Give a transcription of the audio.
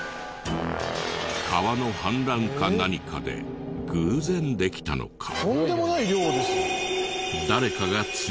川の氾濫か何かで偶然できたのか？